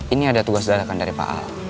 ini ada tugas dadakan dari pak al